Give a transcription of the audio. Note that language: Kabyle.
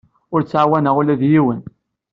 Ur ttɛawaneɣ ula d yiwen.